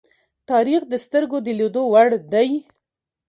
تاریخ د سترگو د لیدو وړ دی.